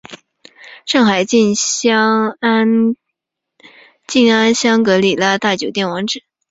上海静安香格里拉大酒店网址